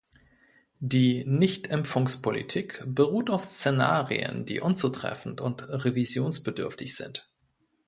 Die Nichtimpfungspolitik beruht auf Szenarien, die unzutreffend und revisionsbedürftig sind.